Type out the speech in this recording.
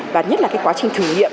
và nhất là cái quá trình thử nghiệm